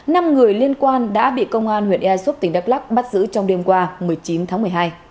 năm người liên quan đã bị công an huyện airp tỉnh đắk lắc bắt giữ trong đêm qua một mươi chín tháng một mươi hai